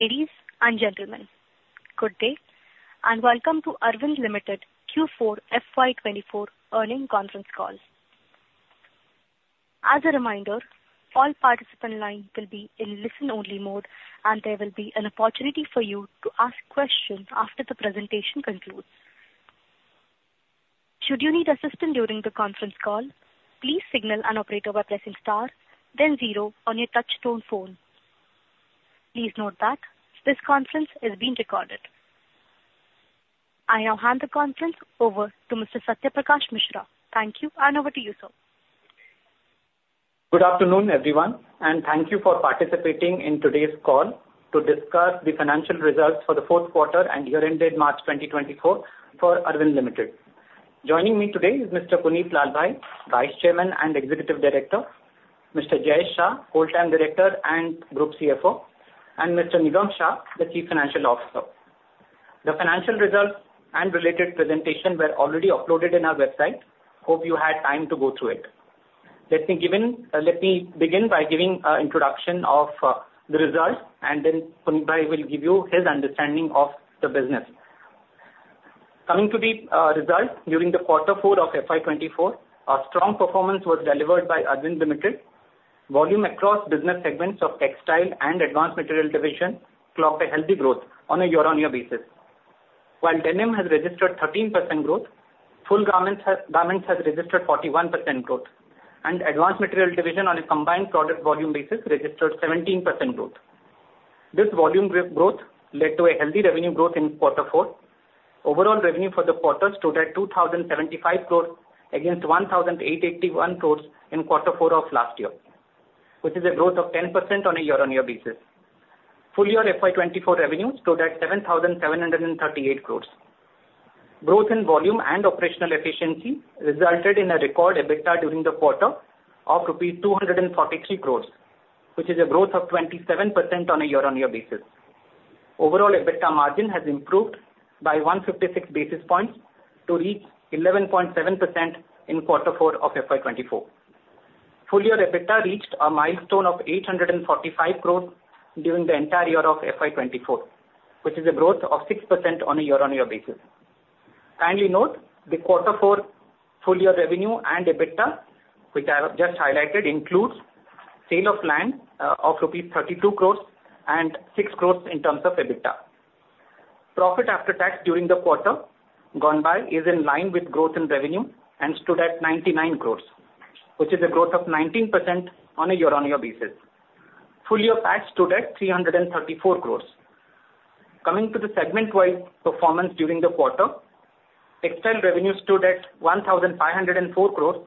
Ladies and gentlemen, good day, and welcome to Arvind Limited Q4 FY 2024 earnings conference call. As a reminder, all participant lines will be in listen-only mode, and there will be an opportunity for you to ask questions after the presentation concludes. Should you need assistance during the conference call, please signal an operator by pressing star then zero on your touchtone phone. Please note that this conference is being recorded. I now hand the conference over to Mr. Satya Prakash Mishra. Thank you, and over to you, sir. Good afternoon, everyone, and thank you for participating in today's call to discuss the financial results for the fourth quarter and year ended March 2024 for Arvind Limited. Joining me today is Mr. Punit Lalbhai, Vice Chairman and Executive Director; Mr. Jayesh Shah, Whole Time Director and Group CFO; and Mr. Nigam Shah, the Chief Financial Officer. The financial results and related presentation were already uploaded in our website. Hope you had time to go through it. Let me begin by giving an introduction of the results, and then Punit bhai will give you his understanding of the business. Coming to the results, during the quarter four of FY 2024, a strong performance was delivered by Arvind Limited. Volume across business segments of textile and advanced material division clocked a healthy growth on a year-on-year basis. While denim has registered 13% growth, full garments has, garments has registered 41% growth, and Advanced Materials Division on a combined product volume basis registered 17% growth. This volume growth led to a healthy revenue growth in quarter four. Overall revenue for the quarter stood at 2,075 crores, against 1,881 crores in quarter four of last year, which is a growth of 10% on a year-on-year basis. Full year FY 2024 revenue stood at 7,738 crores. Growth in volume and operational efficiency resulted in a record EBITDA during the quarter of rupees 243 crores, which is a growth of 27% on a year-on-year basis. Overall, EBITDA margin has improved by 156 basis points to reach 11.7% in quarter four of FY 2024. Full year EBITDA reached a milestone of 845 crore during the entire year of FY 2024, which is a growth of 6% on a year-on-year basis. Kindly note, the quarter four full year revenue and EBITDA, which I have just highlighted, includes sale of land, of rupees 32 crore and 6 crore in terms of EBITDA. Profit after tax during the quarter gone by is in line with growth in revenue and stood at 99 crore, which is a growth of 19% on a year-on-year basis. Full year tax stood at 334 crore. Coming to the segment-wide performance during the quarter, textile revenue stood at 1,504 crore,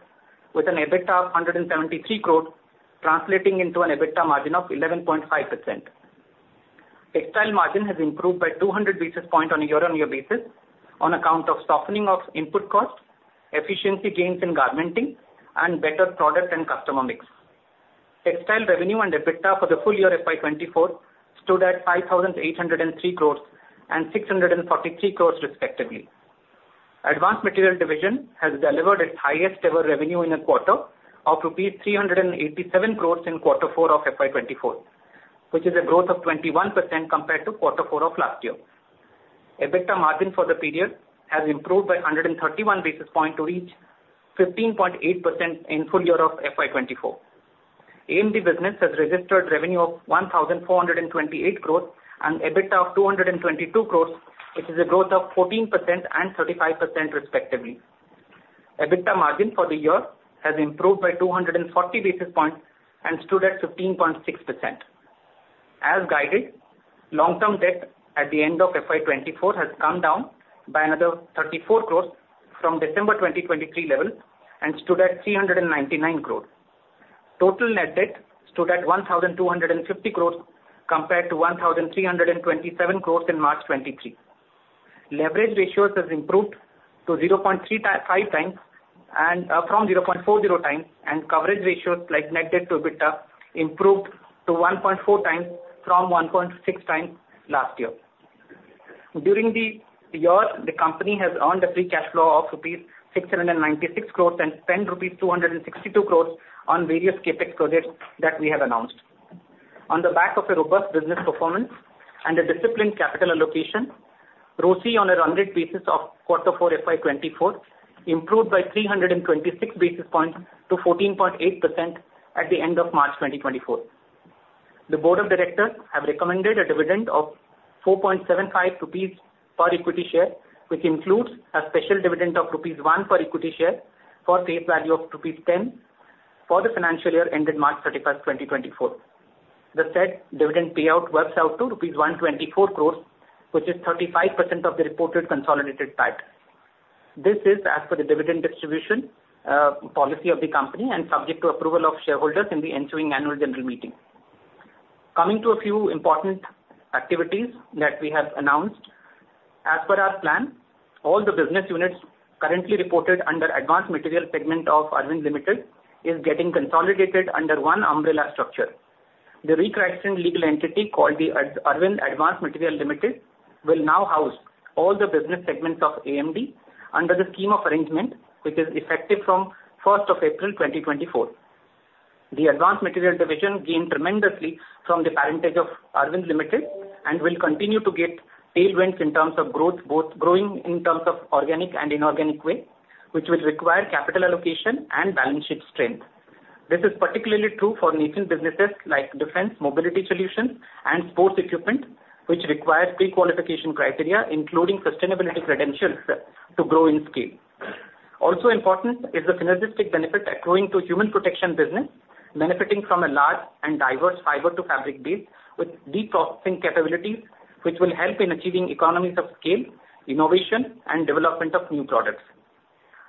with an EBITDA of 173 crore, translating into an EBITDA margin of 11.5%. Textile margin has improved by 200 basis points on a year-on-year basis on account of softening of input costs, efficiency gains in garmenting, and better product and customer mix. Textile revenue and EBITDA for the full year FY 2024 stood at 5,803 crores and 643 crores respectively. Advanced Materials Division has delivered its highest ever revenue in a quarter of rupees 387 crores in quarter four of FY 2024, which is a growth of 21% compared to quarter four of last year. EBITDA margin for the period has improved by 131 basis points to reach 15.8% in full year of FY 2024. AMD business has registered revenue of 1,428 crore and EBITDA of 222 crore, which is a growth of 14% and 35% respectively. EBITDA margin for the year has improved by 240 basis points and stood at 15.6%. As guided, long-term debt at the end of FY 2024 has come down by another 34 crore from December 2023 level and stood at 399 crore. Total net debt stood at 1,250 crore compared to 1,327 crore in March 2023. Leverage ratios has improved to 0.35x and from 0.40x, and coverage ratios, like net debt to EBITDA, improved to 1.4x from 1.6x last year. During the year, the company has earned a free cash flow of rupees 696 crores and spent rupees 262 crores on various CapEx credits that we have announced. On the back of a robust business performance and a disciplined capital allocation, ROCE on a 100 basis of quarter four FY 2024 improved by 326 basis points to 14.8% at the end of March 2024. The Board of Directors have recommended a dividend of 4.75 rupees per equity share, which includes a special dividend of rupees 1 per equity share for face value of rupees 10 for the financial year ended March 31, 2024. The said dividend payout works out to INR 124 crores, which is 35% of the reported consolidated profit. This is as per the dividend distribution policy of the company and subject to approval of shareholders in the ensuing annual general meeting. Coming to a few important activities that we have announced. As per our plan, all the business units currently reported under advanced material segment of Arvind Limited is getting consolidated under one umbrella structure. The re-christened legal entity called the Arvind Advanced Materials Limited will now house all the business segments of AMD under the scheme of arrangement, which is effective from April 1, 2024. The advanced materials division gained tremendously from the parentage of Arvind Limited, and will continue to get tailwinds in terms of growth, both growing in terms of organic and inorganic way, which will require capital allocation and balance sheet strength. This is particularly true for nascent businesses like defense, mobility solutions, and sports equipment, which require pre-qualification criteria, including sustainability credentials, to grow in scale. Also important is the synergistic benefit accruing to Human Protection business, benefiting from a large and diverse fiber-to-fabric base with deep processing capabilities, which will help in achieving economies of scale, innovation, and development of new products.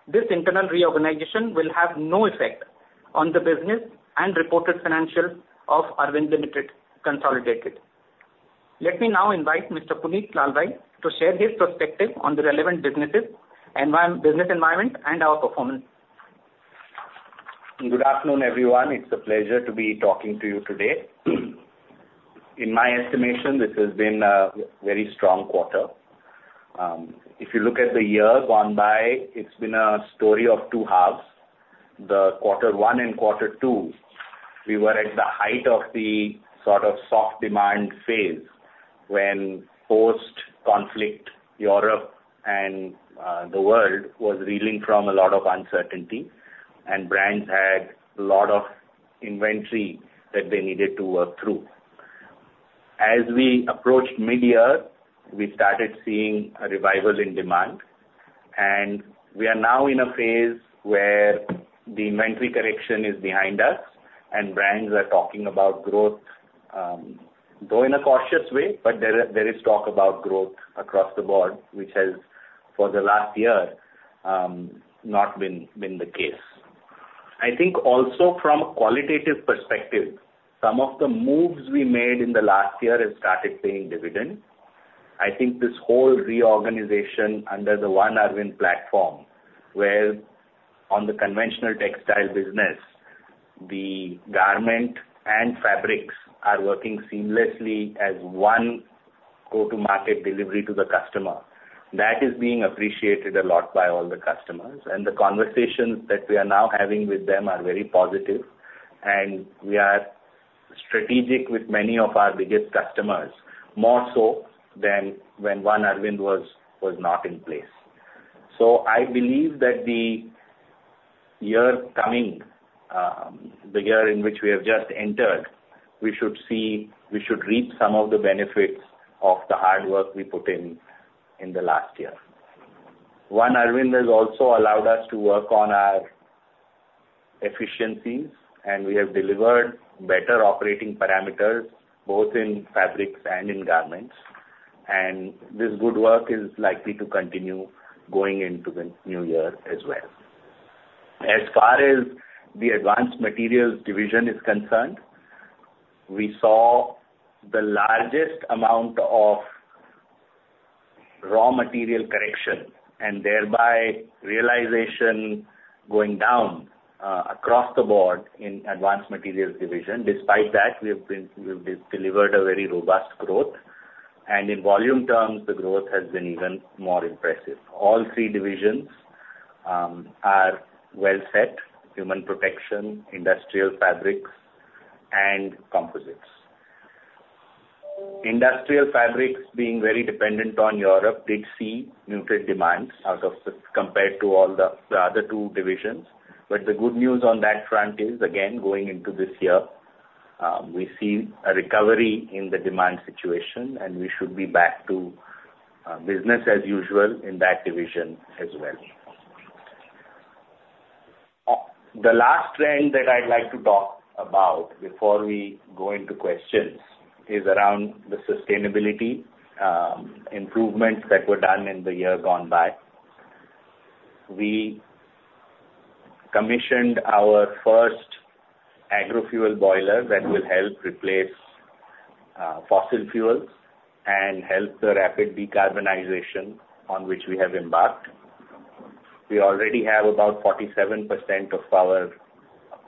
This internal reorganization will have no effect on the business and reported financials of Arvind Limited consolidated. Let me now invite Mr. Punit Lalbhai to share his perspective on the relevant businesses, business environment, and our performance. Good afternoon, everyone. It's a pleasure to be talking to you today. In my estimation, this has been a very strong quarter. If you look at the year gone by, it's been a story of two halves. The quarter one and quarter two, we were at the height of the sort of soft demand phase, when post-conflict Europe and the world was reeling from a lot of uncertainty, and brands had a lot of inventory that they needed to work through. As we approached mid-year, we started seeing a revival in demand, and we are now in a phase where the inventory correction is behind us, and brands are talking about growth, though in a cautious way, but there is talk about growth across the board, which has, for the last year, not been the case. I think also from a qualitative perspective, some of the moves we made in the last year have started paying dividends. I think this whole reorganization under the One Arvind platform, where on the conventional textile business, the garment and fabrics are working seamlessly as one go-to-market delivery to the customer. That is being appreciated a lot by all the customers, and the conversations that we are now having with them are very positive, and we are strategic with many of our biggest customers, more so than when One Arvind was not in place. So I believe that the year coming, the year in which we have just entered, we should see—we should reap some of the benefits of the hard work we put in, in the last year. One Arvind has also allowed us to work on our efficiencies, and we have delivered better operating parameters, both in fabrics and in garments. This good work is likely to continue going into the new year as well. As far as the Advanced Materials Division is concerned, we saw the largest amount of raw material correction and thereby realization going down across the board in Advanced Materials Division. Despite that, we've delivered a very robust growth, and in volume terms, the growth has been even more impressive. All three divisions are well set: Human Protection, Industrial Fabrics, and Composites. Industrial Fabrics, being very dependent on Europe, did see muted demands out of compared to all the other two divisions. But the good news on that front is, again, going into this year, we see a recovery in the demand situation, and we should be back to business as usual in that division as well. The last trend that I'd like to talk about before we go into questions is around the sustainability improvements that were done in the year gone by. We commissioned our first agrofuel boiler that will help replace fossil fuels and help the rapid decarbonization on which we have embarked. We already have about 47% of our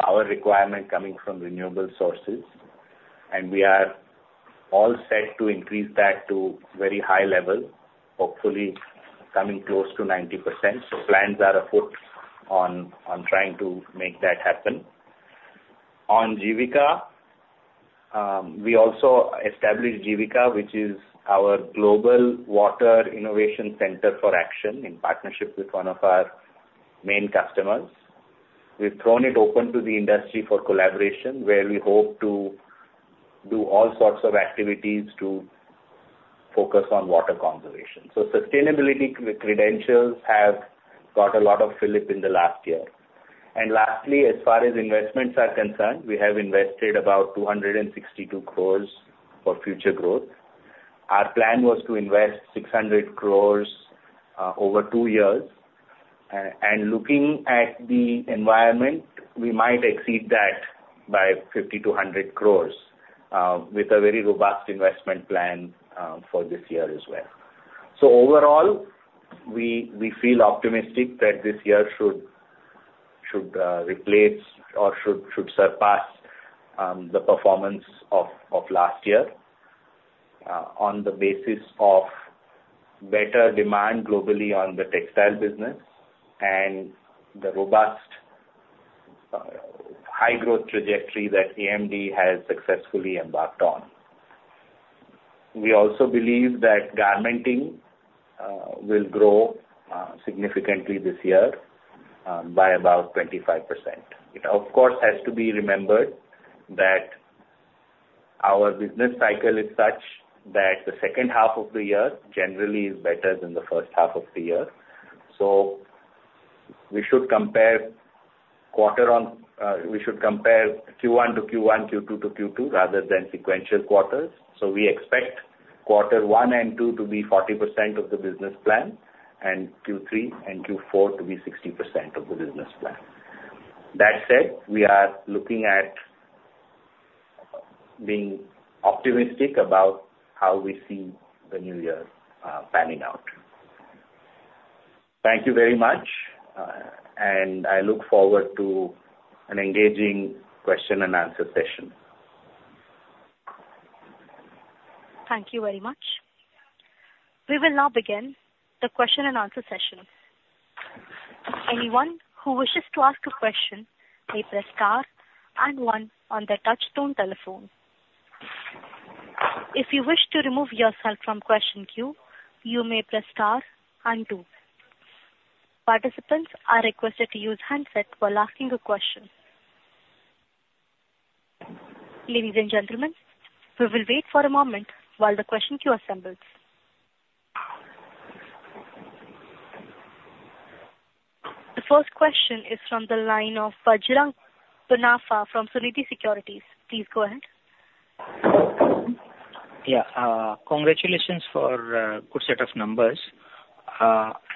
power requirement coming from renewable sources, and we are all set to increase that to very high level, hopefully coming close to 90%. So plans are afoot on trying to make that happen. On GWICA, we also established GWICA, which is our global water innovation center for action in partnership with one of our main customers. We've thrown it open to the industry for collaboration, where we hope to do all sorts of activities to focus on water conservation. So sustainability credentials have got a lot of fillip in the last year. And lastly, as far as investments are concerned, we have invested about 262 crores for future growth. Our plan was to invest 600 crores over two years. And looking at the environment, we might exceed that by 50-100 crores with a very robust investment plan for this year as well. So overall, we, we feel optimistic that this year should, should replace or should, should surpass the performance of, of last year. On the basis of better demand globally on the textile business and the robust, high growth trajectory that EMD has successfully embarked on. We also believe that garmenting will grow significantly this year by about 25%. It, of course, has to be remembered that our business cycle is such that the second half of the year generally is better than the first half of the year. So we should compare quarter on, we should compare Q1 to Q1, Q2 to Q2, rather than sequential quarters. So we expect quarter one and two to be 40% of the business plan, and Q3 and Q4 to be 60% of the business plan. That said, we are looking at being optimistic about how we see the new year panning out. Thank you very much, and I look forward to an engaging question and answer session. Thank you very much. We will now begin the question and answer session. Anyone who wishes to ask a question, may press star and one on their touchtone telephone. If you wish to remove yourself from question queue, you may press star and two. Participants are requested to use handset while asking a question. Ladies and gentlemen, we will wait for a moment while the question queue assembles. The first question is from the line of Bajrang Bafna from Sunidhi Securities. Please go ahead. Yeah. Congratulations for good set of numbers.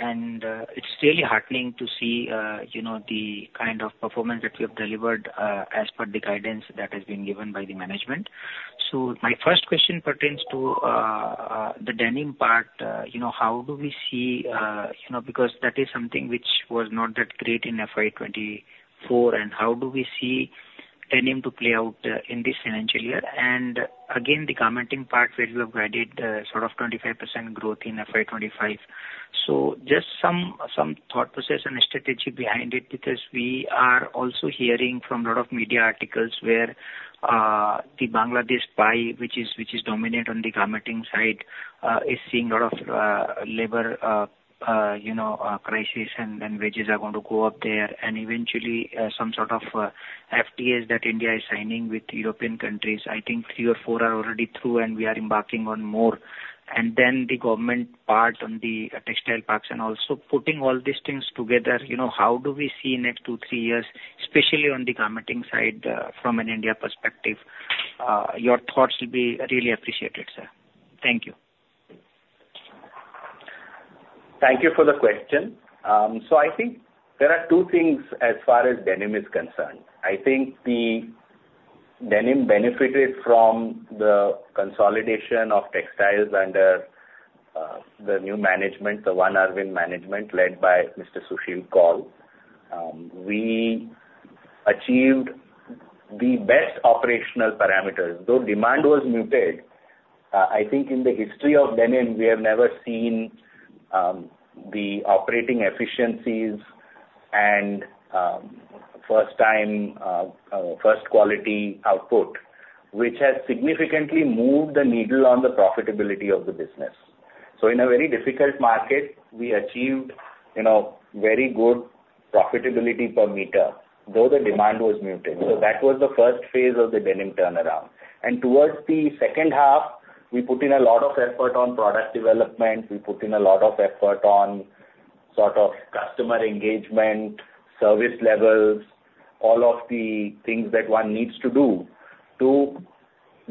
And it's really heartening to see, you know, the kind of performance that you have delivered, as per the guidance that has been given by the management. So my first question pertains to the denim part. You know, how do we see, you know, because that is something which was not that great in FY 2024, and how do we see denim to play out in this financial year? And again, the garmenting part, where you have guided sort of 25% growth in FY 2025. So just some thought process and strategy behind it, because we are also hearing from a lot of media articles where the Bangladesh pie, which is dominant on the garmenting side, is seeing a lot of labor, you know, crisis and wages are going to go up there. And eventually some sort of FTAs that India is signing with European countries. I think three or four are already through and we are embarking on more. And then the government part on the textile parks, and also putting all these things together, you know, how do we see next two, three years, especially on the garmenting side, from an India perspective? Your thoughts will be really appreciated, sir. Thank you. Thank you for the question. So I think there are two things as far as denim is concerned. I think the denim benefited from the consolidation of textiles under the new management, the One Arvind management led by Mr. Susheel Kaul. We achieved the best operational parameters, though demand was muted. I think in the history of denim, we have never seen the operating efficiencies and first time first quality output, which has significantly moved the needle on the profitability of the business. So in a very difficult market, we achieved, you know, very good profitability per meter, though the demand was muted. So that was the first phase of the denim turnaround. And towards the second half, we put in a lot of effort on product development. We put in a lot of effort on sort of customer engagement, service levels, all of the things that one needs to do to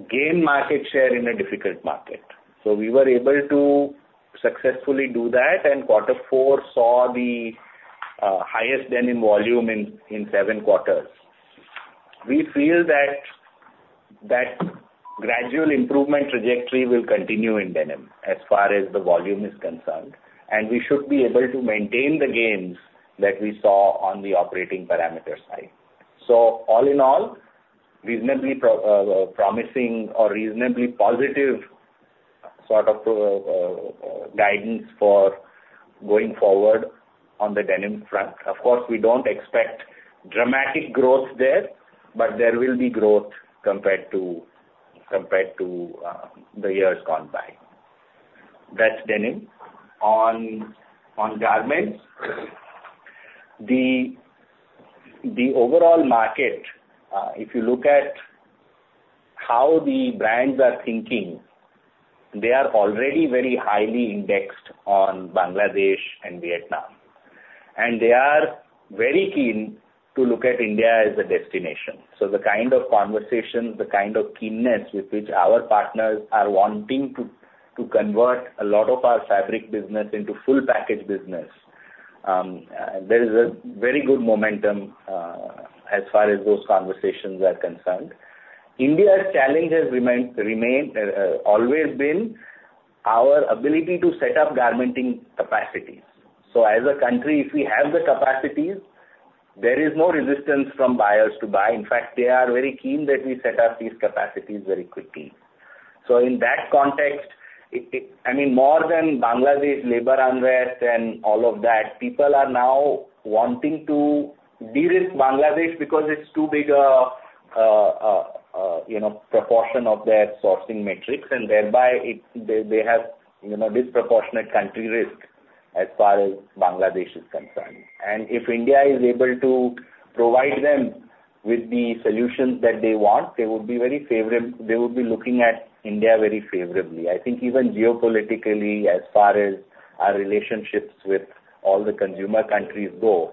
gain market share in a difficult market. So we were able to successfully do that, and quarter four saw the highest denim volume in seven quarters. We feel that gradual improvement trajectory will continue in denim as far as the volume is concerned, and we should be able to maintain the gains that we saw on the operating parameter side. So all in all, reasonably promising or reasonably positive sort of guidance for going forward on the denim front. Of course, we don't expect dramatic growth there, but there will be growth compared to the years gone by. That's denim. On garments, the overall market, if you look at how the brands are thinking, they are already very highly indexed on Bangladesh and Vietnam, and they are very keen to look at India as a destination. So the kind of conversations, the kind of keenness with which our partners are wanting to convert a lot of our fabric business into full package business, there is a very good momentum as far as those conversations are concerned. India's challenge has remained always been our ability to set up garmenting capacities. So as a country, if we have the capacities. There is no resistance from buyers to buy. In fact, they are very keen that we set up these capacities very quickly. So in that context, it—I mean, more than Bangladesh labor unrest and all of that, people are now wanting to de-risk Bangladesh because it's too big a, you know, proportion of their sourcing metrics, and thereby it, they have, you know, disproportionate country risk as far as Bangladesh is concerned. And if India is able to provide them with the solutions that they want, they would be looking at India very favorably. I think even geopolitically, as far as our relationships with all the consumer countries go,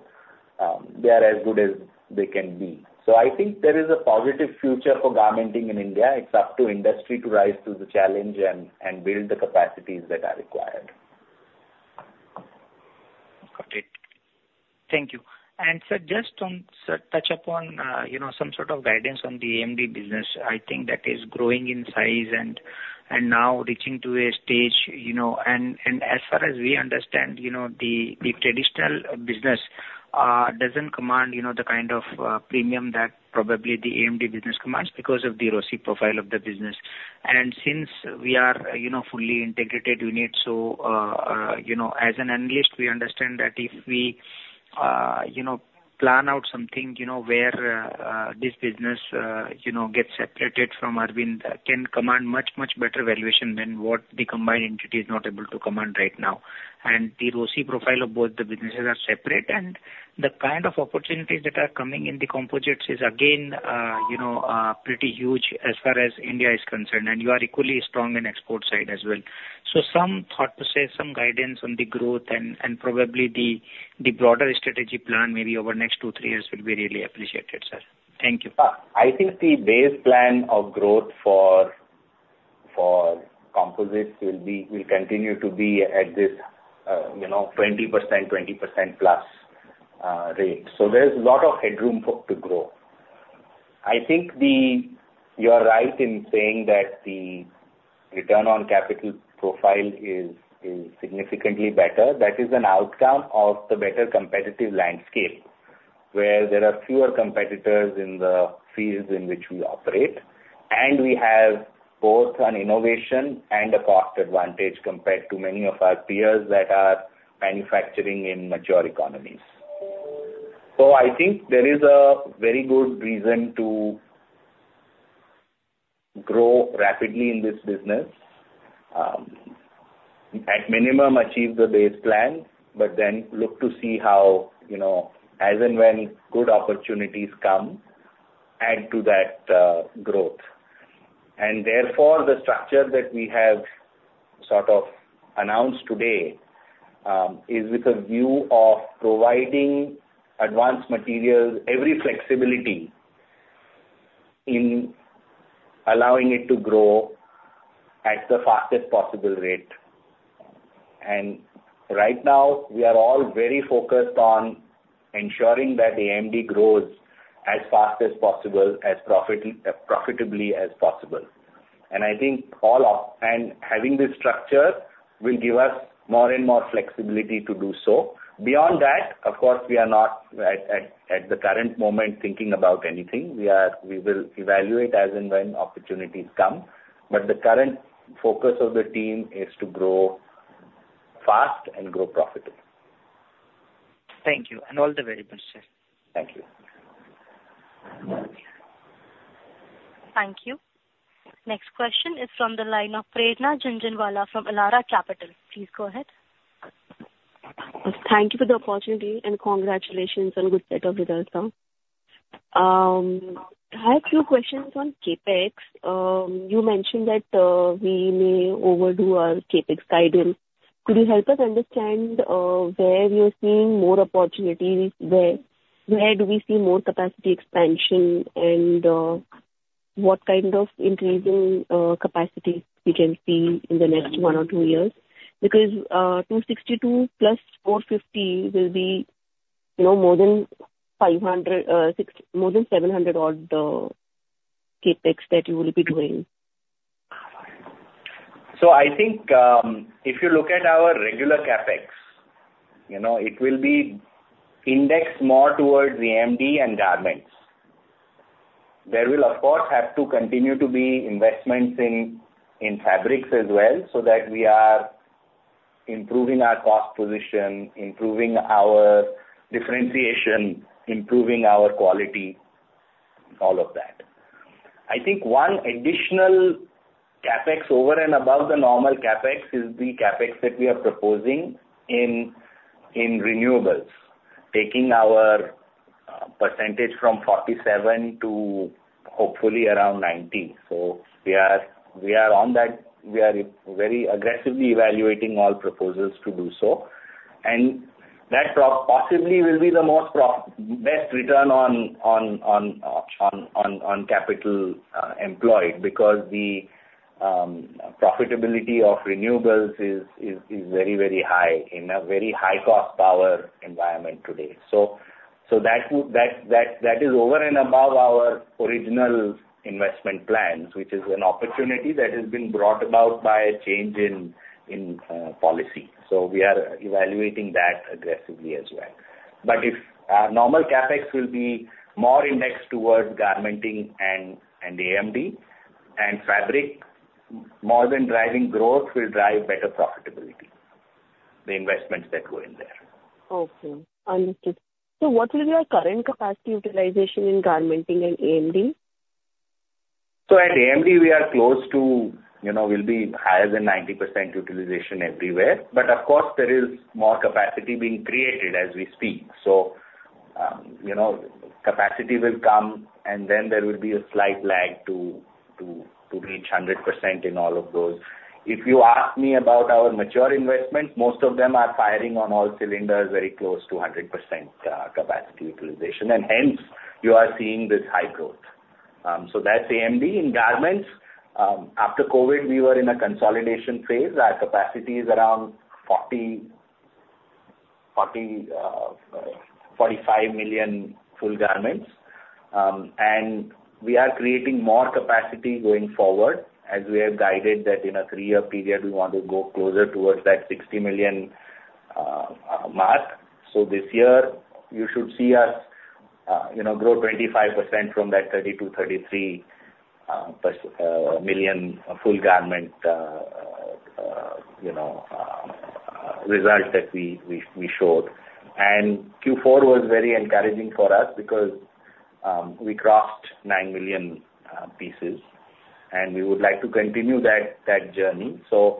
they are as good as they can be. So I think there is a positive future for garmenting in India. It's up to industry to rise to the challenge and build the capacities that are required. Got it. Thank you. And sir, just on, sir, touch upon, you know, some sort of guidance on the AMD business. I think that is growing in size and now reaching to a stage, you know, and as far as we understand, you know, the traditional business doesn't command, you know, the kind of premium that probably the AMD business commands because of the ROCE profile of the business. And since we are, you know, fully integrated unit, so, you know, as an analyst, we understand that if we, you know, plan out something, you know, where this business, you know, gets separated from Arvind, can command much, much better valuation than what the combined entity is not able to command right now. The ROC profile of both the businesses are separate, and the kind of opportunities that are coming in the composites is again, you know, pretty huge as far as India is concerned, and you are equally strong in export side as well. Some thought to say, some guidance on the growth and probably the broader strategy plan, maybe over next two, three years will be really appreciated, sir. Thank you. I think the base plan of growth for, for composites will be, will continue to be at this, you know, 20%, 20%+ rate. So there's a lot of headroom for to grow. I think the... You are right in saying that the return on capital profile is, is significantly better. That is an outcome of the better competitive landscape, where there are fewer competitors in the fields in which we operate, and we have both an innovation and a cost advantage compared to many of our peers that are manufacturing in mature economies. So I think there is a very good reason to grow rapidly in this business. At minimum, achieve the base plan, but then look to see how, you know, as and when good opportunities come, add to that, growth. Therefore, the structure that we have sort of announced today is with a view of providing advanced materials every flexibility in allowing it to grow at the fastest possible rate. And right now, we are all very focused on ensuring that AMD grows as fast as possible, as profitably as possible. And I think having this structure will give us more and more flexibility to do so. Beyond that, of course, we are not at the current moment thinking about anything. We will evaluate as and when opportunities come. But the current focus of the team is to grow fast and grow profitably. Thank you, and all the very best, sir. Thank you. Thank you. Next question is from the line of Prerna Jhunjhunwala from Elara Capital. Please go ahead. Thank you for the opportunity, and congratulations on good set of results, sir. I have a few questions on CapEx. You mentioned that, we may overdo our CapEx guidance. Could you help us understand, where you're seeing more opportunities? Where, where do we see more capacity expansion, and, what kind of increase in, capacity we can see in the next one or two years? Because, 262 + 450 will be, you know, more than 500, more than 700 odd, CapEx that you will be doing. So I think, if you look at our regular CapEx, you know, it will be indexed more towards AMD and garments. There will, of course, have to continue to be investments in fabrics as well, so that we are improving our cost position, improving our differentiation, improving our quality, all of that. I think one additional CapEx over and above the normal CapEx is the CapEx that we are proposing in renewables, taking our percentage from 47% to hopefully around 90%. So we are on that. We are very aggressively evaluating all proposals to do so, and that probably will be the best return on capital employed, because the profitability of renewables is very high in a very high-cost power environment today. So that would, that is over and above our original investment plans, which is an opportunity that has been brought about by a change in policy. So we are evaluating that aggressively as well. But normal CapEx will be more indexed towards garmenting and AMD and fabric, more than driving growth will drive better profitability, the investments that go in there. Okay, understood. So what will be your current capacity utilization in garmenting and AMD? So at AMD, we are close to, you know, we'll be higher than 90% utilization everywhere. But of course, there is more capacity being created as we speak. So, you know, capacity will come, and then there will be a slight lag to reach 100% in all of those. If you ask me about our mature investments, most of them are firing on all cylinders, very close to 100%, capacity utilization, and hence you are seeing this high growth. So that's AMD. In garments, after COVID, we were in a consolidation phase. Our capacity is around 40, 40, 45 million full garments. And we are creating more capacity going forward, as we have guided that in a 3-year period, we want to go closer towards that 60 million, mark. So this year, you should see us, you know, grow 25% from that 32-33 per million full garment, you know, result that we, we, we showed. And Q4 was very encouraging for us because we crossed 9 million pieces, and we would like to continue that, that journey. So,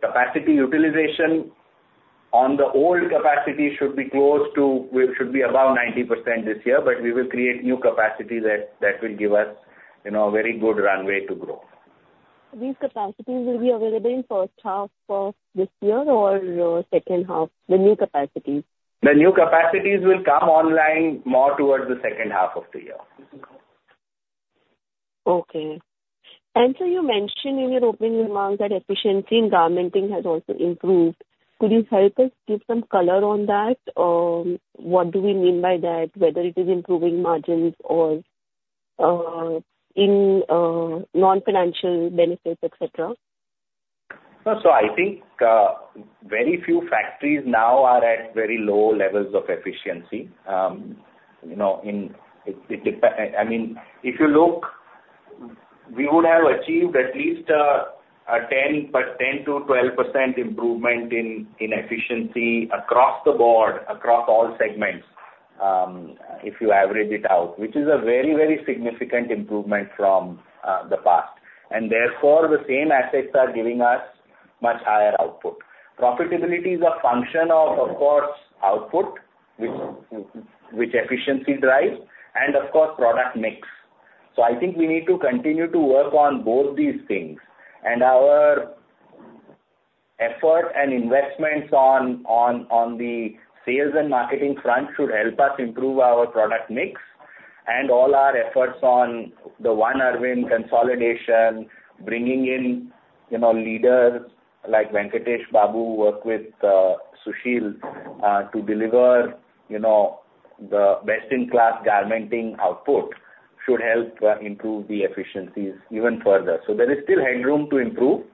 capacity utilization on the old capacity should be close to. We should be above 90% this year, but we will create new capacity that, that will give us, you know, a very good runway to grow. These capacities will be available in first half of this year or, second half, the new capacities? The new capacities will come online more towards the second half of the year. Okay. And so you mentioned in your opening remarks that efficiency in garmenting has also improved. Could you help us give some color on that? What do we mean by that, whether it is improving margins or in non-financial benefits, et cetera? No. So I think very few factories now are at very low levels of efficiency. You know, in it, it depends—I mean, if you look, we would have achieved at least a 10%-12% improvement in efficiency across the board, across all segments, if you average it out, which is a very, very significant improvement from the past. And therefore, the same assets are giving us much higher output. Profitability is a function of, of course, output, which efficiency drives, and of course, product mix. So I think we need to continue to work on both these things. And our effort and investments on the sales and marketing front should help us improve our product mix. All our efforts on the One Arvind consolidation, bringing in, you know, leaders like Venkatesh Babu, who work with Susheel to deliver, you know, the best-in-class garmenting output, should help improve the efficiencies even further. There is still headroom to improve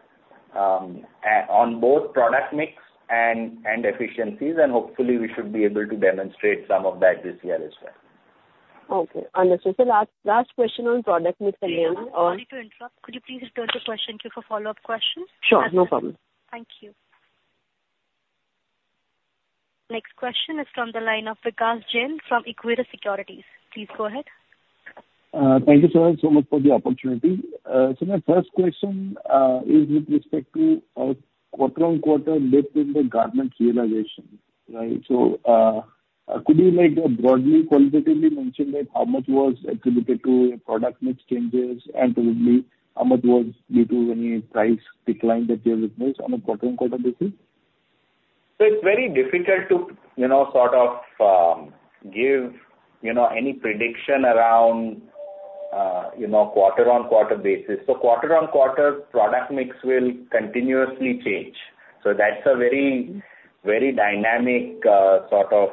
on both product mix and efficiencies, and hopefully, we should be able to demonstrate some of that this year as well. Okay, understood. So last, last question on product mix again, Sorry to interrupt. Could you please pose the question to for follow-up questions? Sure. No problem. Thank you. Next question is from the line of Vikas Jain from Equirus Securities. Please go ahead. Thank you so, so much for the opportunity. My first question is with respect to quarter-on-quarter dip in the garment realization, right? Could you like broadly, qualitatively mention that how much was attributed to product mix changes and probably how much was due to any price decline that you have witnessed on a quarter-on-quarter basis? So it's very difficult to, you know, sort of, give, you know, any prediction around, you know, quarter-on-quarter basis. So quarter-on-quarter, product mix will continuously change. So that's a very, very dynamic, sort of,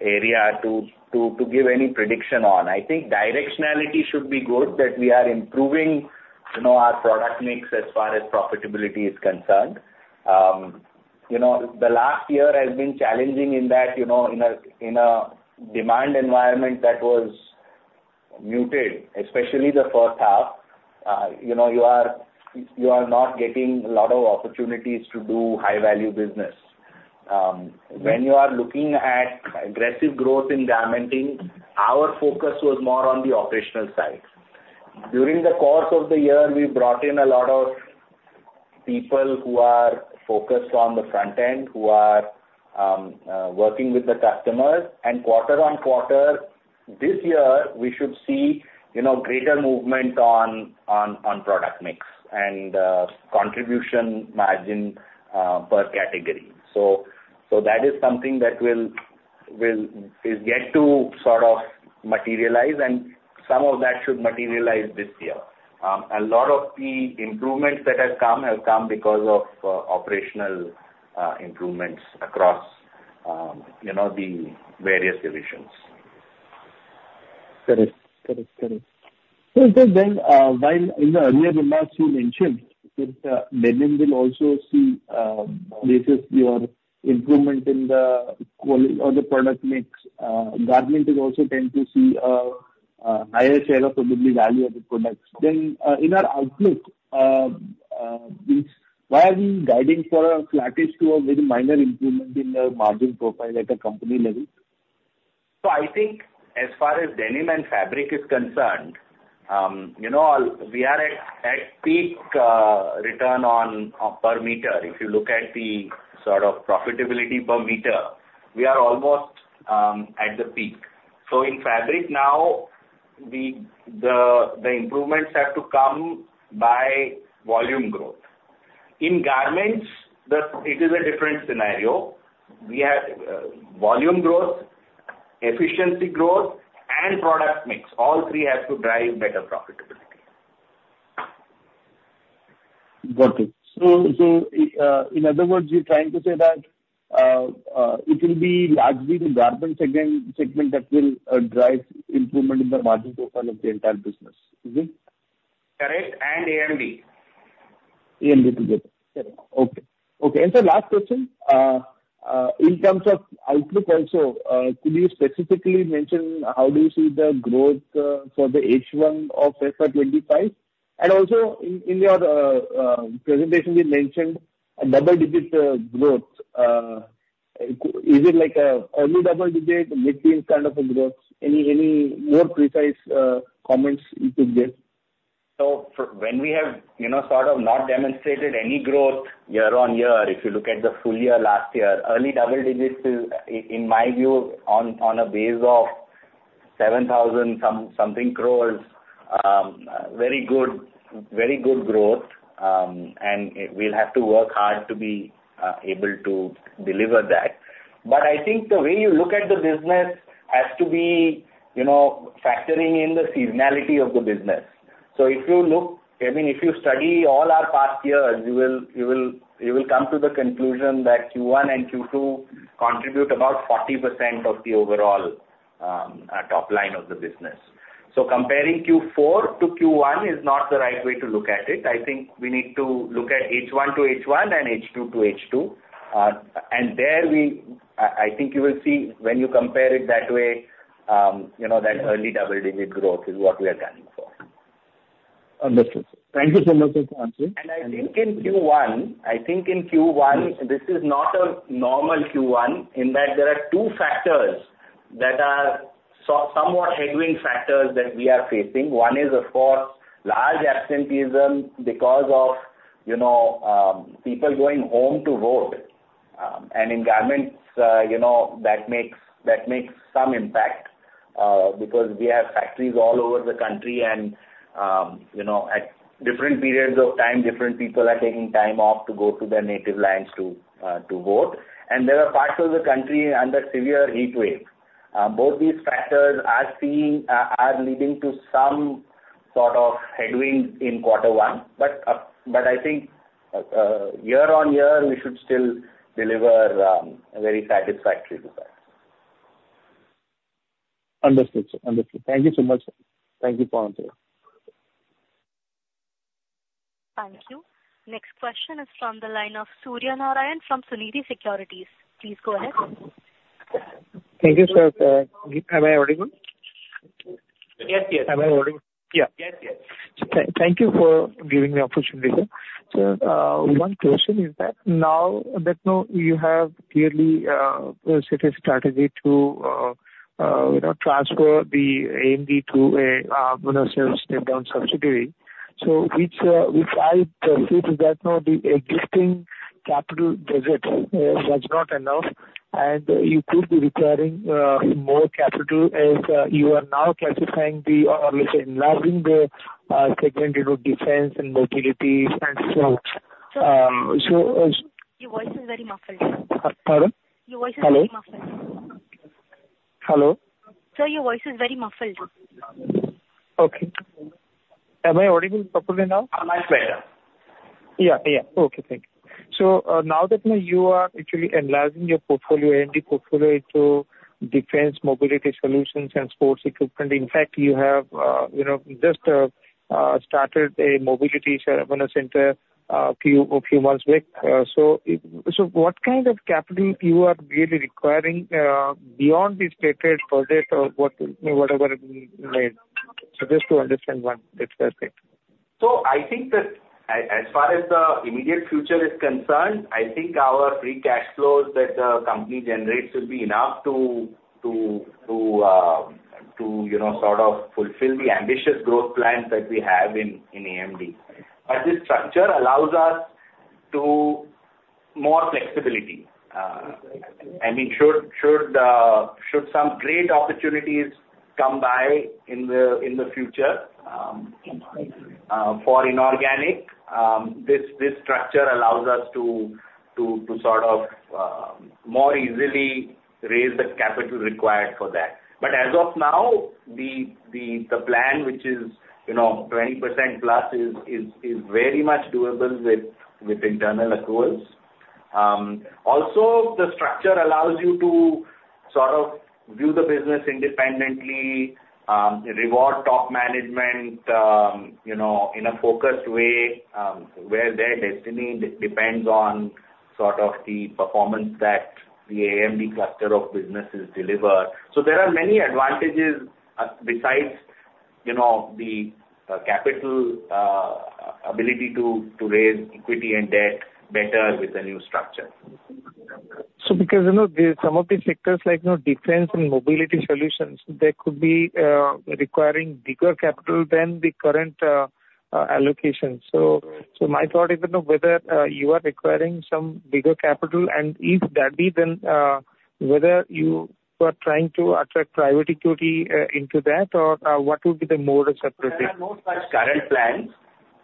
area to give any prediction on. I think directionality should be good, that we are improving, you know, our product mix as far as profitability is concerned. You know, the last year has been challenging in that, you know, in a demand environment that was muted, especially the first half. You know, you are not getting a lot of opportunities to do high-value business. When you are looking at aggressive growth in garmenting, our focus was more on the operational side. During the course of the year, we brought in a lot of people who are focused on the front end, who are working with the customers. And quarter-on-quarter, this year, we should see, you know, greater movement on product mix and contribution margin per category. So that is something that is yet to sort of materialize, and some of that should materialize this year. A lot of the improvements that have come, have come because of operational improvements across, you know, the various divisions. Correct. Correct, correct. So then, while in the earlier remarks you mentioned that, denim will also see, basis your improvement in the quality- or the product mix, garment is also tend to see a higher share of probably value-added products. Then, in our outlook, this, why are we guiding for a flattish to a very minor improvement in the margin profile at a company level? So I think as far as denim and fabric is concerned, you know, we are at peak return on per meter. If you look at the sort of profitability per meter, we are almost at the peak. So in fabric now, the improvements have to come by volume growth. In garments, it is a different scenario. We have volume growth, efficiency growth, and product mix. All three have to drive better profitability. Got it. So, in other words, you're trying to say that it will be largely the garment segment that will drive improvement in the margin profile of the entire business. Is it? Correct, and AMD. AMD together. Okay. Okay, and sir, last question: in terms of outlook also, could you specifically mention how do you see the growth for the H1 of FY 25? And also in, in your presentation, you mentioned a double-digit growth. Is it like a early double digit, mid-teen kind of a growth? Any, any more precise comments you could give? So for when we have, you know, sort of not demonstrated any growth year-on-year, if you look at the full year last year, early double digits is in my view, on a base of INR 7,000-some-something crores, very good, very good growth. And we'll have to work hard to be able to deliver that. But I think the way you look at the business has to be, you know, factoring in the seasonality of the business. So if you look, I mean, if you study all our past years, you will, you will, you will come to the conclusion that Q1 and Q2 contribute about 40% of the overall top line of the business. So comparing Q4 to Q1 is not the right way to look at it. I think we need to look at H1 to H1 and H2 to H2. And I, I think you will see when you compare it that way, you know, that early double-digit growth is what we are gunning for. Understood, sir. Thank you so much for the answer. I think in Q1, this is not a normal Q1, in that there are two factors that are somewhat headwind factors that we are facing. One is, of course, large absenteeism because of, you know, people going home to vote. And in garments, you know, that makes some impact, because we have factories all over the country and, you know, at different periods of time, different people are taking time off to go to their native lands to vote. And there are parts of the country under severe heat wave. Both these factors are leading to some sort of headwind in quarter one. But I think, year-on-year, we should still deliver a very satisfactory result. Understood, sir. Understood. Thank you so much, sir. Thank you for answering. Thank you. Next question is from the line of Surya Narayan from Sunidhi Securities. Please go ahead. Thank you, sir. Am I audible? Yes, yes. Am I audible? Yeah. Yes, yes. Thank, thank you for giving me opportunity, sir. So, one question is that now that now you have clearly, set a strategy to, you know, transfer the AMD to a, you know, sales step-down subsidiary. So which, which I perceive is that now the existing capital budget is, was not enough, and you could be requiring, more capital as, you are now classifying the, or let's say, enlarging the, segment into defense and mobility and so on. So, Your voice is very muffled. Pardon? Your voice is very muffled. Hello? Hello. Sir, your voice is very muffled. Okay. Am I audible properly now? Much better. Yeah, yeah. Okay, thank you. So, now that now you are actually enlarging your portfolio, AMD portfolio, into defense, mobility, solutions and sports equipment, in fact, you have, you know, just, started a mobility, you know, center, few, a few months back. So, so what kind of capital you are really requiring, beyond the stated budget or what, whatever it be made? So just to understand one, that's perfect. So I think that as far as the immediate future is concerned, I think our free cash flows that the company generates will be enough to, you know, sort of fulfill the ambitious growth plans that we have in AMD. But this structure allows us to more flexibility. I mean, should some great opportunities come by in the future for inorganic, this structure allows us to sort of more easily raise the capital required for that. But as of now, the plan, which is, you know, 20%+ is very much doable with internal accruals. Also, the structure allows you to sort of view the business independently, reward top management, you know, in a focused way, where their destiny depends on sort of the performance that the AMD cluster of businesses deliver. So there are many advantages, besides you know, the capital ability to raise equity and debt better with the new structure? So because, you know, some of the sectors like, you know, defense and mobility solutions, they could be requiring bigger capital than the current allocation. So my thought is, you know, whether you are requiring some bigger capital, and if that be, then whether you are trying to attract private equity into that, or what would be the mode of separation? There are no such current plans,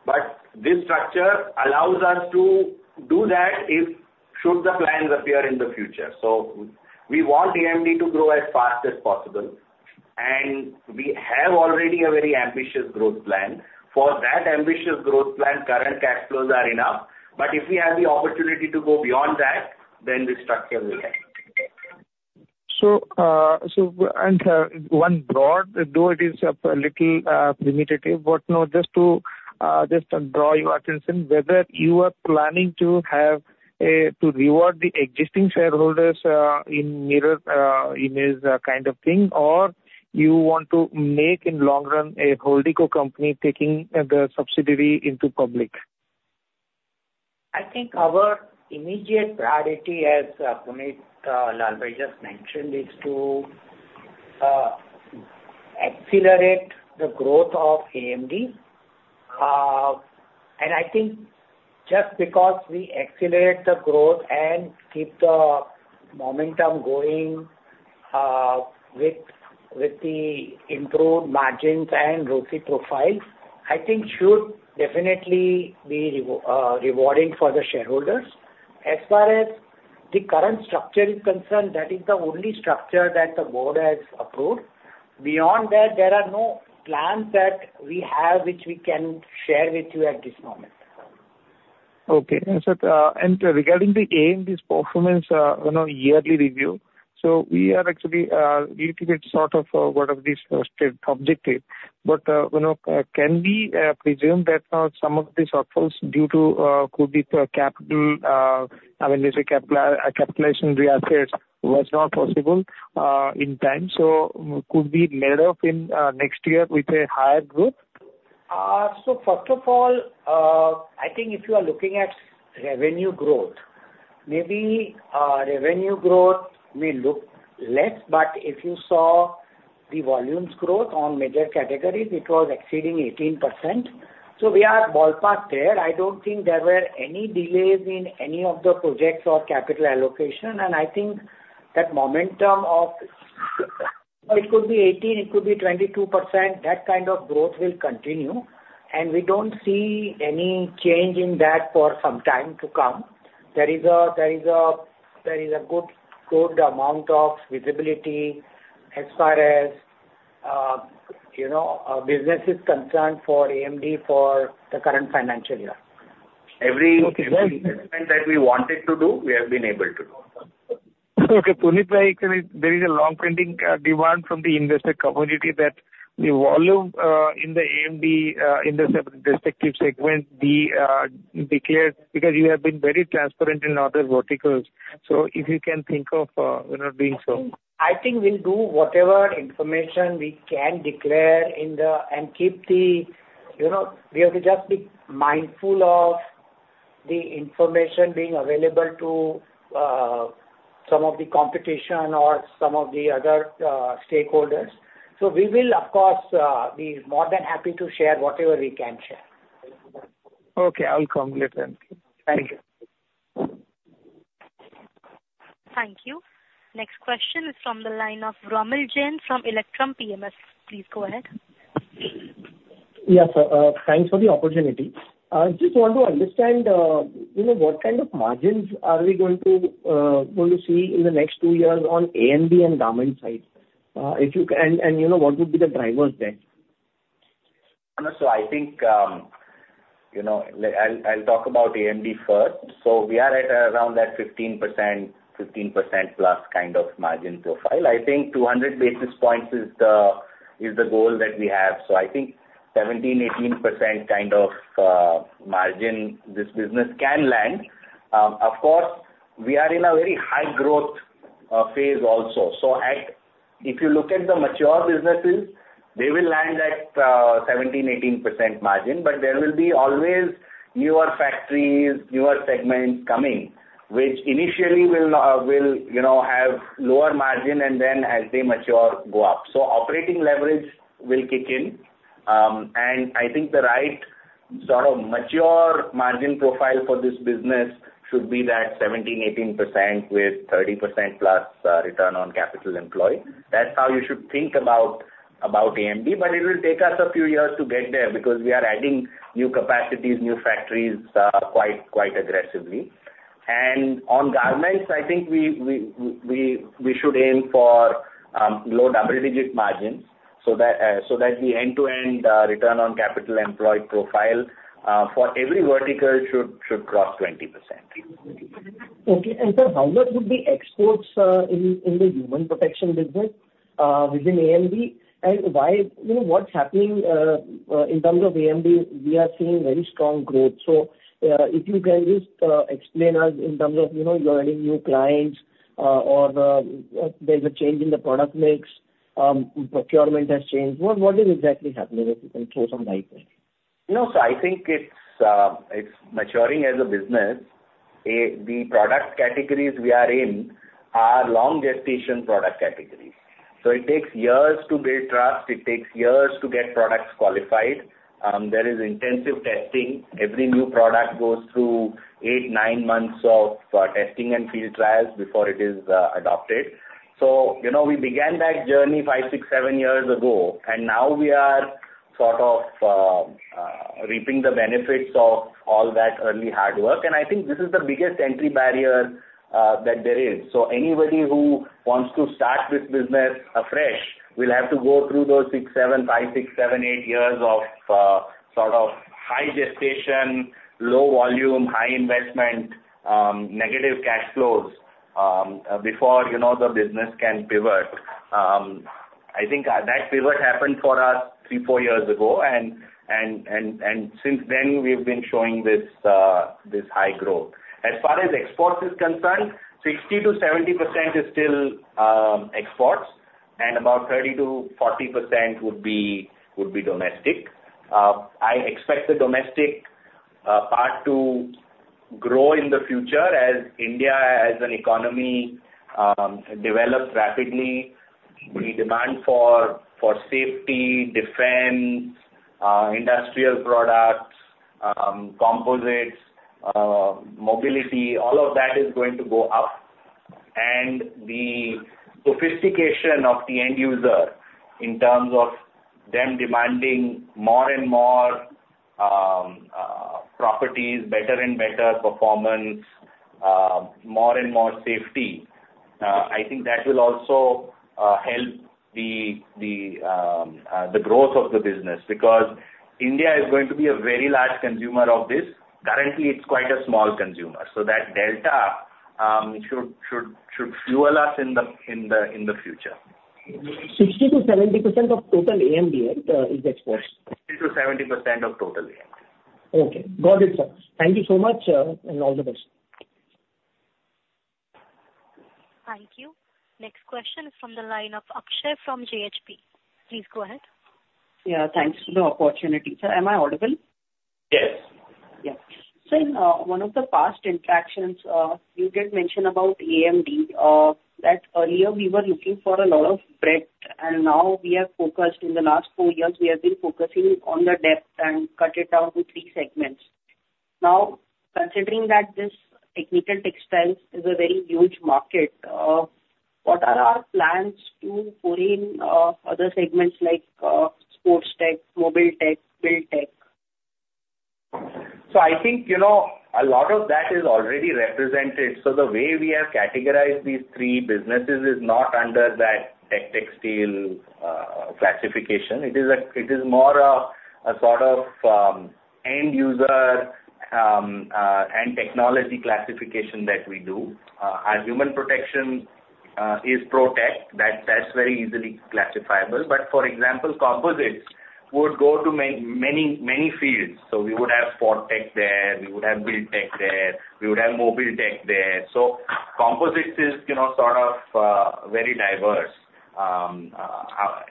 but this structure allows us to do that if the plans should appear in the future. So we want AMD to grow as fast as possible, and we already have a very ambitious growth plan. For that ambitious growth plan, current cash flows are enough, but if we have the opportunity to go beyond that, then this structure will help. So, one broad, though it is a little primitive, but, you know, just to draw your attention, whether you are planning to have a to reward the existing shareholders in mirror image kind of thing, or you want to make in long run a holding co company, taking the subsidiary into public? I think our immediate priority, as Punit Lalbhai just mentioned, is to accelerate the growth of AMD. And I think just because we accelerate the growth and keep the momentum going, with the improved margins and ROCE profile, I think should definitely be rewarding for the shareholders. As far as the current structure is concerned, that is the only structure that the board has approved. Beyond that, there are no plans that we have, which we can share with you at this moment. Okay. And regarding the AMD's performance, you know, yearly review, we are actually a little bit sort of, what of this stated objective. But, you know, can we presume that some of the shortfalls could be due to, could be to a capital, I mean, let's say, capli- a capitalization reassets was not possible in time, so could be made up in next year with a higher growth? So first of all, I think if you are looking at revenue growth, maybe, revenue growth may look less, but if you saw the volumes growth on major categories, it was exceeding 18%. So we are ballpark there. I don't think there were any delays in any of the projects or capital allocation. And I think that momentum of, it could be 18, it could be 22%. That kind of growth will continue, and we don't see any change in that for some time to come. There is a good amount of visibility as far as, you know, business is concerned for AMD for the current financial year. Every- Okay, then- investment that we wanted to do, we have been able to do. Okay, Punit bhai, actually, there is a long-standing demand from the investor community that the volume in the AMD in the separate respective segment be declared, because you have been very transparent in other verticals. So if you can think of, you know, doing so. I think we'll do whatever information we can declare in the... and keep the, you know, we have to just be mindful of the information being available to some of the competition or some of the other stakeholders. So we will, of course, be more than happy to share whatever we can share. Okay, I'll come later then. Thank you. Thank you. Next question is from the line of Romil Jain from Electrum PMS. Please go ahead. Yes, sir, thanks for the opportunity. Just want to understand, you know, what kind of margins are we going to going to see in the next two years on AMD and garments side? If you can, and, you know, what would be the drivers there? So I think, you know, I'll talk about AMD first. So we are at around that 15%, 15%+ kind of margin profile. I think 200 basis points is the goal that we have. So I think 17%-18% kind of margin this business can land. Of course, we are in a very high growth phase also. So if you look at the mature businesses, they will land at 17%-18% margin, but there will be always newer factories, newer segments coming, which initially will, you know, have lower margin and then as they mature, go up. So operating leverage will kick in. And I think the right sort of mature margin profile for this business should be that 17%-18% with 30%+ return on capital employed. That's how you should think about AMD, but it will take us a few years to get there, because we are adding new capacities, new factories aggressively. And on garments, I think we should aim for low double-digit margins, so that the end-to-end return on capital employed profile for every vertical should cross 20%. Okay. And sir, how much would be exports, in the human protection business, within AMD? And why, you know, what's happening, in terms of AMD, we are seeing very strong growth. So, if you can just, explain us in terms of, you know, you are adding new clients.... or, there's a change in the product mix, procurement has changed. What is exactly happening if you can throw some light there? No, so I think it's, it's maturing as a business. The product categories we are in are long gestation product categories. So it takes years to build trust, it takes years to get products qualified, there is intensive testing. Every new product goes through 8-9 months of testing and field trials before it is adopted. So, you know, we began that journey 5-7 years ago, and now we are sort of reaping the benefits of all that early hard work. And I think this is the biggest entry barrier that there is. So anybody who wants to start this business afresh, will have to go through those 6, 7, 5, 6, 7, 8 years of sort of high gestation, low volume, high investment, negative cash flows, before, you know, the business can pivot. I think that pivot happened for us 3-4 years ago, and since then, we've been showing this high growth. As far as exports is concerned, 60%-70% is still exports, and about 30%-40% would be domestic. I expect the domestic part to grow in the future as India, as an economy, develops rapidly. The demand for safety, defense, industrial products, composites, mobility, all of that is going to go up. And the sophistication of the end user in terms of them demanding more and more properties, better and better performance, more and more safety, I think that will also help the growth of the business. Because India is going to be a very large consumer of this. Currently, it's quite a small consumer, so that delta should fuel us in the future. 60%-70% of total AMBR is exports? 60%-70% of total, yeah. Okay. Got it, sir. Thank you so much, and all the best. Thank you. Next question is from the line of Akshay from JHP. Please go ahead. Yeah, thanks for the opportunity. Sir, am I audible? Yes. Yeah. So in one of the past interactions, you did mention about AMD, that earlier we were looking for a lot of breadth, and now we are focused. In the last four years, we have been focusing on the depth and cut it down to three segments. Now, considering that this technical textiles is a very huge market, what are our plans to pour in other segments like sports tech, Mobiltech, Buildtech? So I think, you know, a lot of that is already represented. So the way we have categorized these three businesses is not under that tech textile classification. It is more of a sort of end user and technology classification that we do. Our Human Protection is protective. That's very easily classifiable. But for example, Composites would go to many, many, many fields. So we would have sportech there, we would have Buildtech there, we would have Mobiltech there. So Composites is, you know, sort of very diverse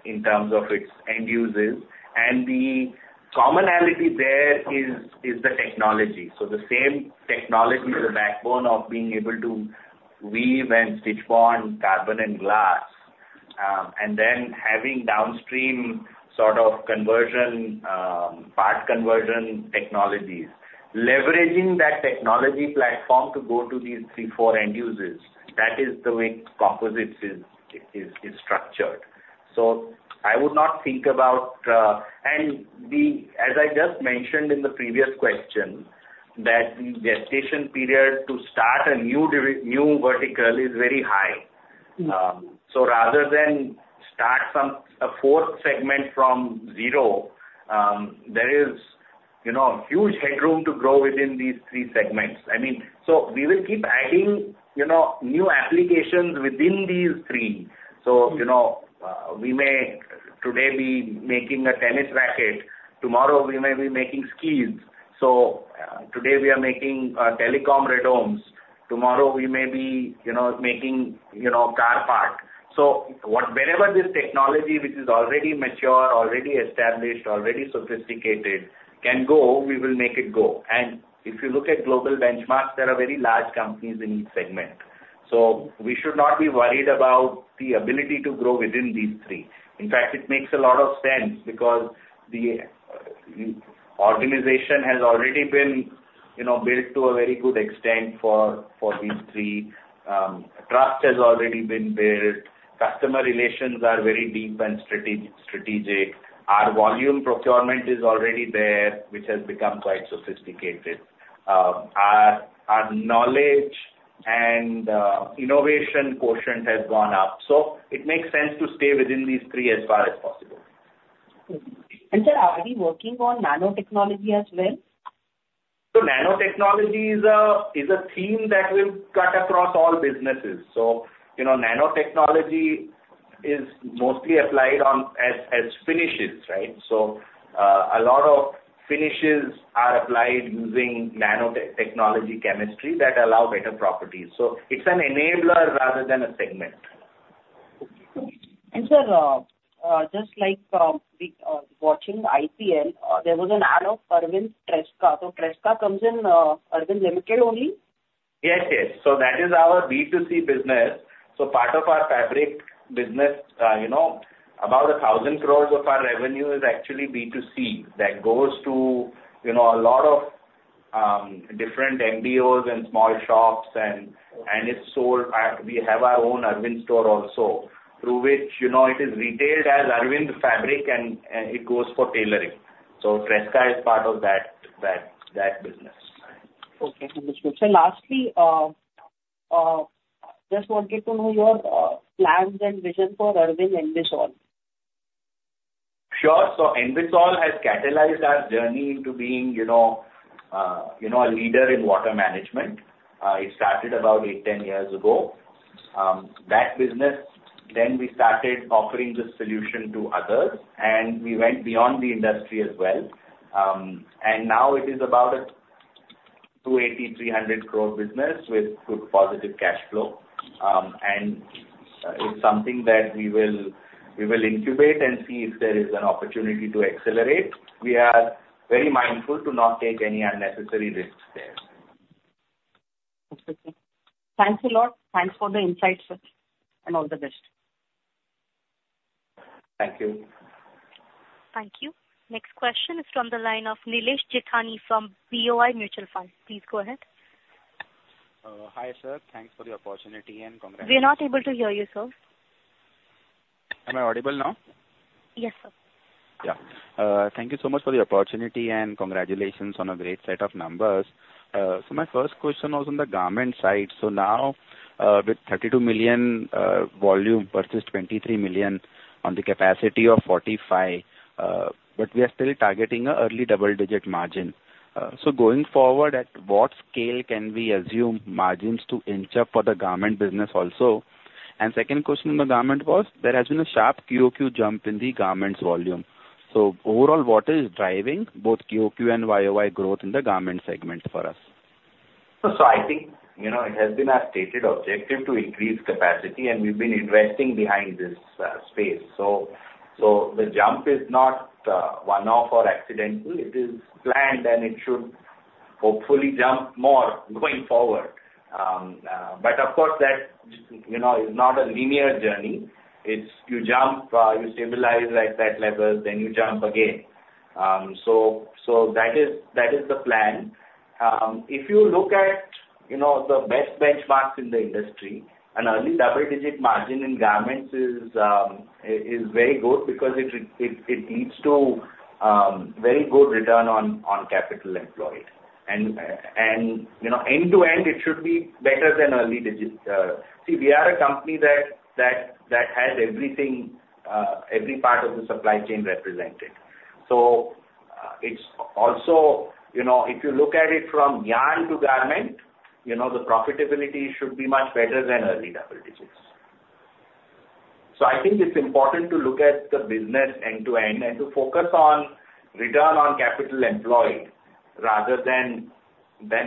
in terms of its end users. And the commonality there is the technology. So the same technology, the backbone of being able to weave and stitch on carbon and glass, and then having downstream sort of conversion, part conversion technologies. Leveraging that technology platform to go to these three, four end users, that is the way composites is structured. So I would not think about, as I just mentioned in the previous question, that the gestation period to start a new vertical is very high. Mm. So rather than start a fourth segment from zero, there is, you know, huge headroom to grow within these three segments. I mean, so we will keep adding, you know, new applications within these three. Mm. So, you know, we may today be making a tennis racket, tomorrow we may be making skis. So today we are making telecom radomes. Tomorrow we may be, you know, making, you know, car part. So, wherever this technology, which is already mature, already established, already sophisticated, can go, we will make it go. And if you look at global benchmarks, there are very large companies in each segment. So we should not be worried about the ability to grow within these three. In fact, it makes a lot of sense because the organization has already been, you know, built to a very good extent for, for these three. Trust has already been built, customer relations are very deep and strategic, strategic. Our volume procurement is already there, which has become quite sophisticated. Our knowledge and innovation quotient has gone up, so it makes sense to stay within these three as far as possible. Okay. And sir, are we working on nanotechnology as well? So nanotechnology is a theme that will cut across all businesses. So, you know, nanotechnology is mostly applied on as finishes, right? So, a lot of finishes are applied using nanotechnology chemistry that allow better properties. So it's an enabler rather than a segment. And sir, just like watching IPL, there was an ad of Arvind Tresca. So Tresca comes in, Arvind Limited only? Yes, yes. So that is our B2C business. So part of our fabric business, you know, about 1,000 crores of our revenue is actually B2C. That goes to, you know, a lot of different MBOs and small shops and, and it's sold at... We have our own Arvind Store also, through which, you know, it is retailed as Arvind Fabric, and, and it goes for tailoring. So Tresca is part of that, that, that business. Okay, understood. So lastly, just wanted to know your plans and vision for Arvind Envisol. Sure. So Envisol has catalyzed our journey into being, you know, you know, a leader in water management. It started about 8-10 years ago. That business, then we started offering the solution to others, and we went beyond the industry as well. And now it is about 280-300 crore business with good positive cash flow. And, it's something that we will, we will incubate and see if there is an opportunity to accelerate. We are very mindful to not take any unnecessary risks there. Okay. Thanks a lot. Thanks for the insights, sir, and all the best. Thank you. Thank you. Next question is from the line of Nilesh Jethani from BOI Mutual Fund. Please go ahead. Hi, sir. Thanks for the opportunity and congratulations- We are not able to hear you, sir. Am I audible now? Yes, sir. Yeah. Thank you so much for the opportunity, and congratulations on a great set of numbers. So my first question was on the garment side. So now, with 32 million volume versus 23 million on the capacity of 45, but we are still targeting a early double-digit margin. So going forward, at what scale can we assume margins to inch up for the garment business also? And second question on the garment was, there has been a sharp QOQ jump in the garments volume. So overall, what is driving both QOQ and YOY growth in the garment segment for us? So I think, you know, it has been our stated objective to increase capacity, and we've been investing behind this space. So, the jump is not one-off or accidental. It is planned, and it should hopefully jump more going forward. But of course, that, you know, is not a linear journey. It's you jump, you stabilize at that level, then you jump again. So, that is the plan. If you look at, you know, the best benchmarks in the industry, an early double-digit margin in garments is very good because it leads to very good return on capital employed. And, you know, end to end, it should be better than early digits. See, we are a company that has everything, every part of the supply chain represented. So, it's also, you know, if you look at it from yarn to garment, you know, the profitability should be much better than early double digits. So I think it's important to look at the business end to end and to focus on return on capital employed rather than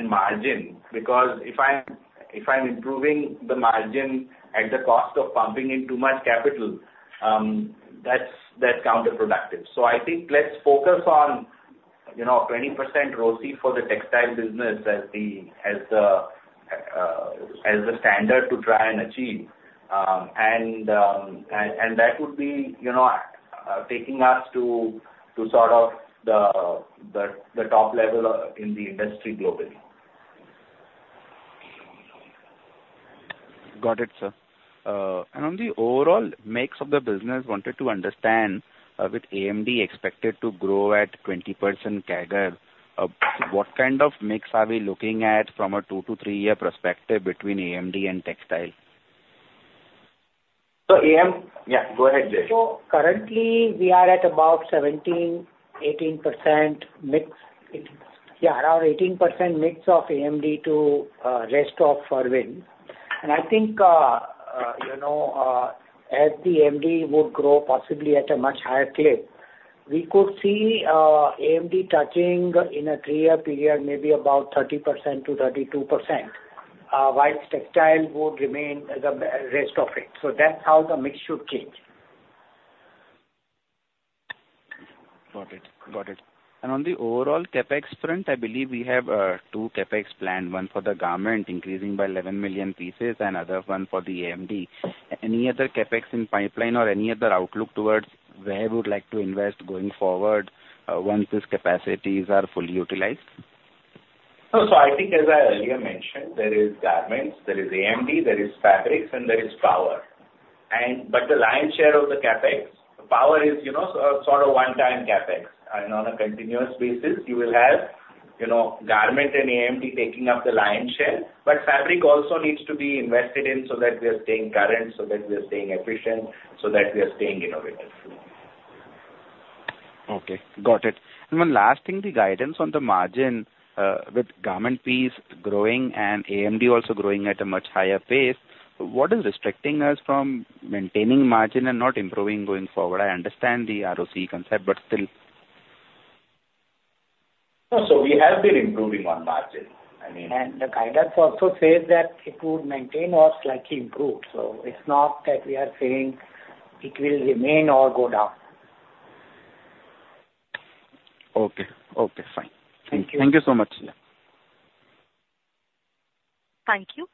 margin. Because if I'm improving the margin at the cost of pumping in too much capital, that's counterproductive. So I think let's focus on, you know, 20% ROCE for the textile business as the standard to try and achieve. And that would be, you know, taking us to sort of the top level in the industry globally. Got it, sir. On the overall mix of the business, wanted to understand, with AMD expected to grow at 20% CAGR, what kind of mix are we looking at from a 2- to 3-year perspective between AMD and textile? So, yeah, go ahead, Nilesh. So currently, we are at about 17-18% mix. Yeah, around 18% mix of AMD to rest of Arvind. And I think, you know, as the AMD would grow possibly at a much higher clip, we could see AMD touching in a 3-year period, maybe about 30%-32%, while textile would remain the rest of it. So that's how the mix should change. Got it. Got it. And on the overall CapEx front, I believe we have two CapEx planned, one for the garment, increasing by 11 million pieces, and other one for the AMD. Any other CapEx in pipeline or any other outlook towards where you would like to invest going forward, once these capacities are fully utilized? So, I think as I earlier mentioned, there is garments, there is AMD, there is fabrics, and there is power. But the lion's share of the CapEx, power is, you know, sort of one-time CapEx. And on a continuous basis, you will have, you know, garment and AMD taking up the lion's share. But fabric also needs to be invested in so that we are staying current, so that we are staying efficient, so that we are staying innovative.... Okay, got it. And one last thing, the guidance on the margin, with garment piece growing and AMD also growing at a much higher pace, what is restricting us from maintaining margin and not improving going forward? I understand the ROC concept, but still. We have been improving on margin, I mean- The guidance also says that it would maintain or slightly improve. So it's not that we are saying it will remain or go down. Okay, okay, fine. Thank you. Thank you so much. Thank you.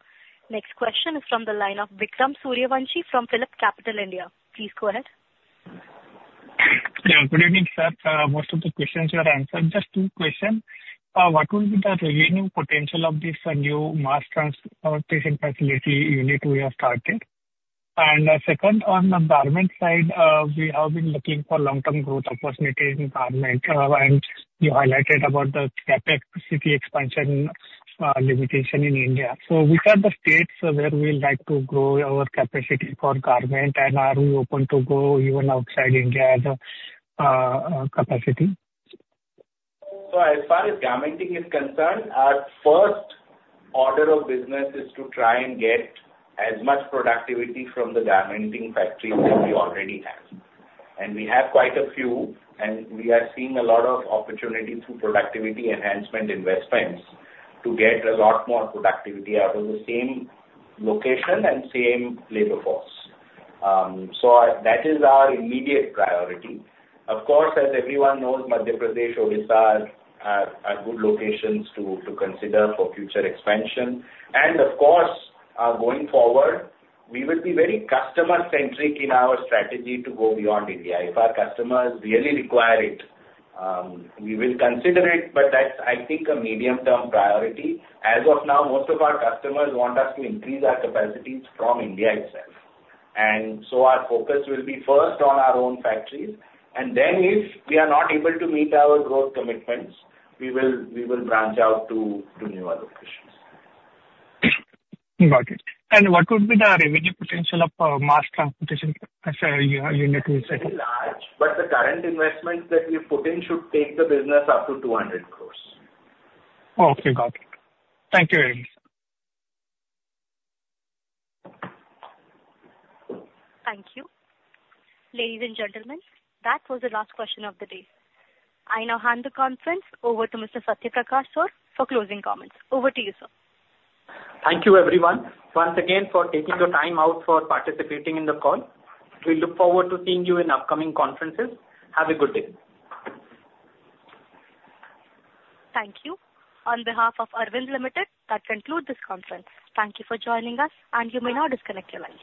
Next question is from the line of Vikram Suryavanshi from PhillipCapital India. Please go ahead. Yeah, good evening, sir. Most of the questions were answered. Just two questions. What will be the revenue potential of this new manufacturing plant facility unit we have started? And, second, on the garment side, we have been looking for long-term growth opportunity in garment, and you highlighted about the CapEx capacity expansion, limitation in India. So which are the states where we would like to grow our capacity for garment, and are we open to go even outside India as a capacity? As far as garmenting is concerned, our first order of business is to try and get as much productivity from the garmenting factories that we already have. We have quite a few, and we are seeing a lot of opportunity through productivity enhancement investments to get a lot more productivity out of the same location and same labor force. So that is our immediate priority. Of course, as everyone knows, Madhya Pradesh, Odisha, are good locations to consider for future expansion. Of course, going forward, we will be very customer-centric in our strategy to go beyond India. If our customers really require it, we will consider it, but that's, I think, a medium-term priority. As of now, most of our customers want us to increase our capacities from India itself, and so our focus will be first on our own factories, and then if we are not able to meet our growth commitments, we will branch out to new other locations. Got it. And what would be the revenue potential of, mass transportation as a unit? Large, but the current investments that we put in should take the business up to 200 crore. Okay, got it. Thank you very much. Thank you. Ladies and gentlemen, that was the last question of the day. I now hand the conference over to Mr. Satyaprakash Sur for closing comments. Over to you, sir. Thank you, everyone, once again for taking the time out for participating in the call. We look forward to seeing you in upcoming conferences. Have a good day. Thank you. On behalf of Arvind Limited, that concludes this conference. Thank you for joining us, and you may now disconnect your lines.